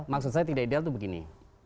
maksud saya tidak ideal itu begini